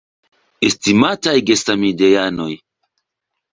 Estimataj gesamideanoj!